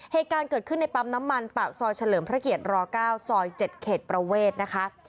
เหตุการณ์เกิดขึ้นในปั๊มน้ำมันปากซอยเฉลิมพระเกียรติร๙ซอย๗เขตประเวทนะคะ